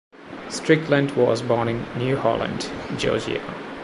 Strickland was born in New Holland, Georgia.